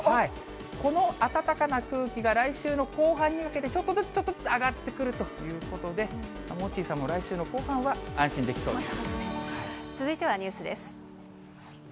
この暖かな空気が来週の後半にかけて、ちょっとずつちょっとずつ上がってくるということで、モッチーさんも来週の後半は安心できそうです。